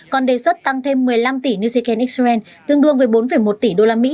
còn đề xuất tăng thêm một mươi năm tỷ new second israel tương đương với bốn một tỷ đô la mỹ